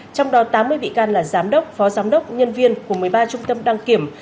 trong đó tám mươi bị can là giám đốc phó giám đốc nhân viên của một mươi ba trung tâm đăng kiểm